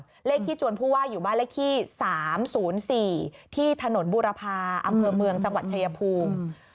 ก่อนเลขที่จวนผู้ว่าอยู่บ้านเลขที่สามศูนย์สี่ที่ถนนบุรพาอำเมื่อเมืองจังหวัดชายภูมิ